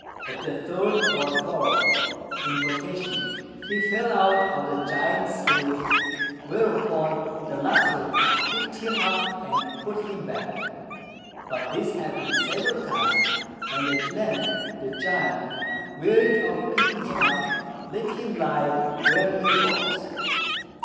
At the third or fourth invocation he fell out of the giant's sleeve, whereupon the latter picked him up and put him back; but this happened several times, and at length the giant, wearied of picking him up, let him lie where he was.